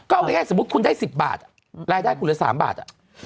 เอาง่ายสมมุติคุณได้๑๐บาทรายได้คุณเหลือ๓บาท